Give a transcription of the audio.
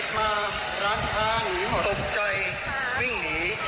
วิ่งหนีนทรมาน